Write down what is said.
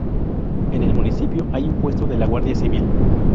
En el municipio hay un puesto de la Guardia Civil.